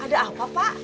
ada apa pak